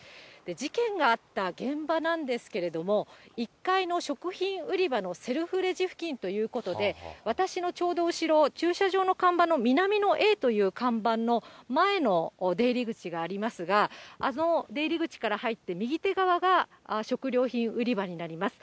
事件があった現場なんですけれども、１階の食品売り場のセルフレジ付近ということで、私のちょうど後ろ、駐車場の看板の南のＡという看板の前の出入り口がありますが、あの出入り口から入って右手側が、食料品売り場になります。